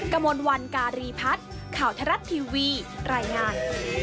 กระมวลวันการีพัฒน์ข่าวทรัฐทีวีรายงาน